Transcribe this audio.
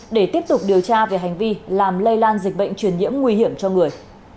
để tiếp tục điều tra về hành vi làm lây lan dịch bệnh truyền nhiễm nguy hiểm cho người